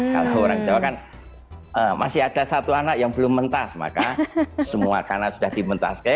kalau orang jawa kan masih ada satu anak yang belum mentas maka semua karena sudah dimentaskan